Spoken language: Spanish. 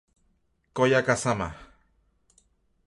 Koya Kazama